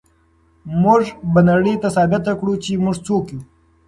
موږ به نړۍ ته ثابته کړو چې موږ څوک یو.